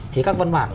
thì các văn bản